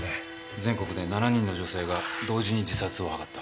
全国で７人の女性が同時に自殺を図った。